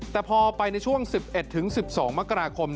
แต่พอไปในช่วง๑๑๑๑๒มกราคม